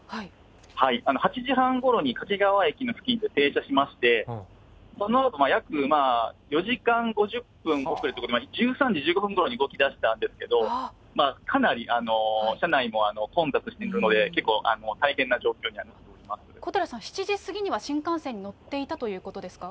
８時半ごろに掛川駅の付近で停車しまして、そのあと約４時間５０分遅れということで、１３時１５分ごろに動きだしたんですけど、かなり車内も混雑してるので、小寺さん、７時過ぎには新幹線に乗っていたということですか。